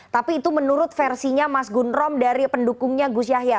tapi itu menurut versinya mas gun rom dari pendukungnya gus yahya